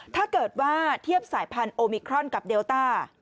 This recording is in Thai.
ถ้าเกิดว่าเทียบสายพันธุมิครอนกับเดลต้า